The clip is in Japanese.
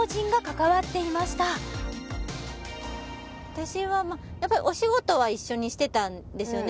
私はやっぱりお仕事は一緒にしてたんですよね